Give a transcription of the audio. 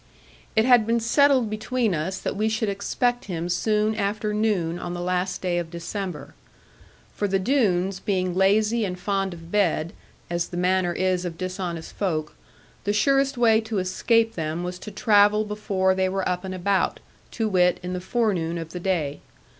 It had been settled between us that we should expect him soon after noon on the last day of December. For the Doones being lazy and fond of bed, as the manner is of dishonest folk, the surest way to escape them was to travel before they were up and about, to wit, in the forenoon of the day.